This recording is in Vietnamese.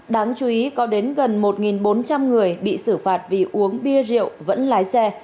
đáng chú ý có đến gần một bốn trăm linh người bị xử phạt vì uống bia rượu vẫn lái xe